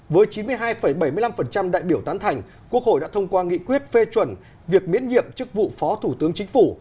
với chín mươi hai bảy mươi năm đại biểu tán thành quốc hội đã thông qua nghị quyết phê chuẩn việc miễn nhiệm chức vụ phó thủ tướng chính phủ